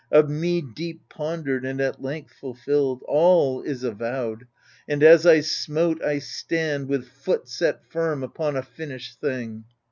Of me deep pondered and at length fulfilled. All is avowed, and as I smote I stand With foot set firm upon a finished thing